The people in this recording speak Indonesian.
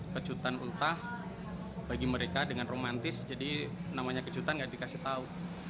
kejutan ultah bagi mereka dengan romantis jadi namanya kejutan gak dikasih tahu